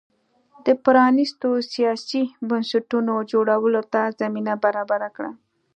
د پرانیستو سیاسي بنسټونو جوړولو ته زمینه برابره کړه.